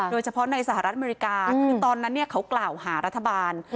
โดยเฉพาะในสหรัฐอเมริกาคือตอนนั้นเขากล่าวหารัฐบาล